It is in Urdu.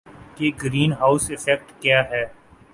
کہ گرین ہاؤس ایفیکٹ کیا ہے